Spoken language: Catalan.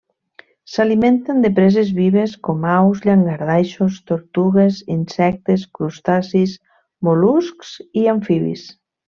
S'alimenten de preses vives, com aus, llangardaixos, tortugues, insectes, crustacis, mol·luscs i amfibis.